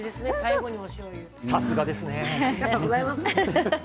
さすがですね。ありがとうございます。